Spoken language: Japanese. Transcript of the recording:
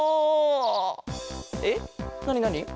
えっなになに？